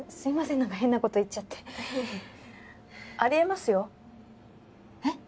何か変なこと言っちゃっていえいえありえますよえっ？